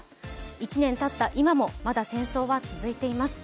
１年たった今も、まだ戦争は続いています。